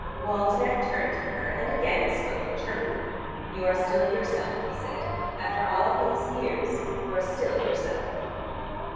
Waldenech turned to her, and again spoke in German. "You are still yourself," he said. "After all these years you are still yourself."